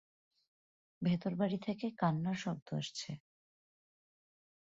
ভেতরবাড়ি থেকে কান্নার শব্দ আসছে।